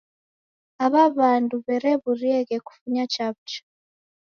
Aw'o w'andu w'erew'urieghe kufunya chaw'ucha